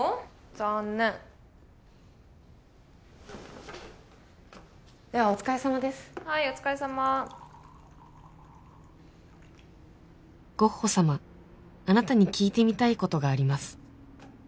残念ではお疲れさまですはいお疲れさまゴッホ様あなたに聞いてみたいことがあります